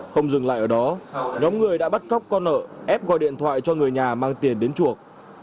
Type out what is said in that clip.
không dừng lại ở đó nhóm người đã bắt cóc con nợ ép gọi điện thoại cho người nhà mang tiền đến chuộc